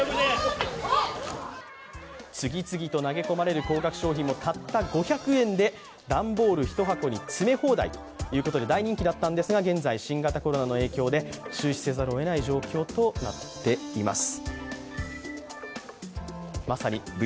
次々と投げ込まれる高額商品もたった５００円で段ボール１箱に詰め放題ということで大人気だったんですが、現在、新型コロナの影響で中止せざるを得ない状況となっています。